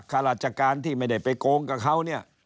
ข้าราชการที่ไม่ได้ไปโกงกับเขาเนี่ย